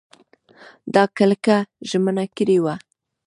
تا کلکه ژمنه کړې وه !